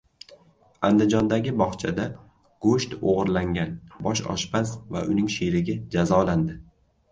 Andijondagi bog‘chada go‘sht o‘g‘irlagan bosh oshpaz va uning sherigi jazolandi